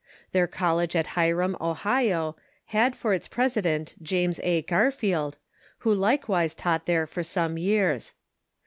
Their college at Hiram, Ohio, had for its president James A. Garfield, who likewise taught there for some years.